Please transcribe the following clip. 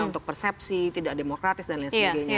untuk persepsi tidak demokratis dan lain sebagainya